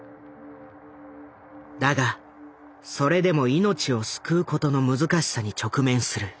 だがそれでも命を救うことの難しさに直面する。